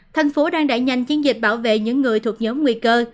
thành phố đang đẩy nhanh chiến dịch bảo vệ những người thuộc nhóm nguy cơ